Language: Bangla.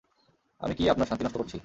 আমি কী আপনার শান্তি নষ্ট করছি?